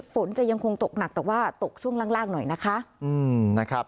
ฝนจะยังคงตกหนักแต่ว่าตกช่วงล่างล่างหน่อยนะคะอืมนะครับ